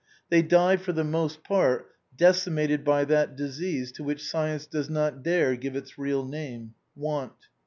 They die for the most part, decimated by that disease to which science does not dare give its real name, want.